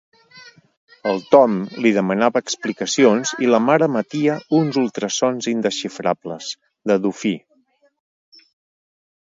El Tom li demanava explicacions i la mare emetia uns ultrasons indesxifrables, de dofí.